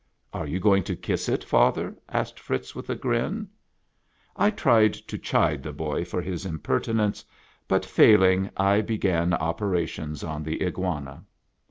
"Are you going to kiss it, father ?" asked Fritz with a grin. I tried to chide the boy for his impertinence, but, failing, I began operations on the Iguana.